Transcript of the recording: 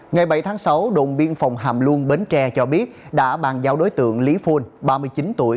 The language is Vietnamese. ngày bảy tháng sáu đồn biên phòng hàm luông bến tre cho biết đã bàn giao đối tượng lý phun ba mươi chín tuổi